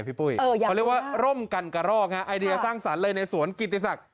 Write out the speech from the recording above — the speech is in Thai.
ปุ้ยเขาเรียกว่าร่มกันกระรอกฮะไอเดียสร้างสรรค์เลยในสวนกิติศักดิ